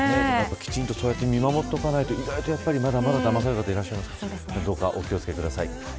きちんと見守らないとまだまだだまされる方いらっしゃいますからどうかお気を付けください。